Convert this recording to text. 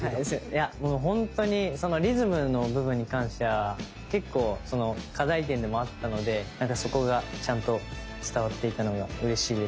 いやもうほんとにそのリズムの部分に関しては結構その課題点でもあったのでそこがちゃんと伝わっていたのがうれしいです。